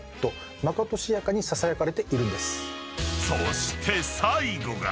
［そして最後が］